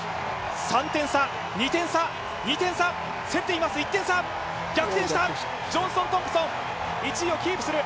３点差、２点差競っています、１点差、逆転した、ジョンソン・トンプソン、１位をキープする。